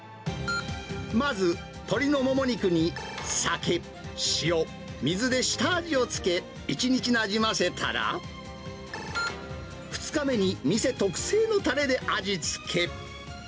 まず、鶏のモモ肉に酒、塩、水で下味を付け、１日なじませたら、２日目に店特製のたれで味付け。